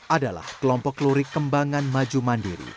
adalah kelompok lurik kembangan maju mandiri